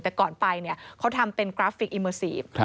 แต่ก่อนไปเนี่ยเขาทำเป็นกราฟิกอิเมอร์ซีฟ